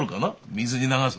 水に流す。